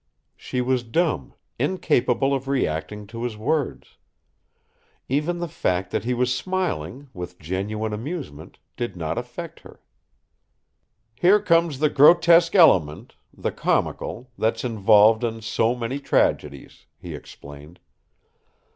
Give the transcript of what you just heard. She was dumb, incapable of reacting to his words. Even the fact that he was smiling, with genuine amusement, did not affect her. "Here comes the grotesque element, the comical, that's involved in so many tragedies," he explained.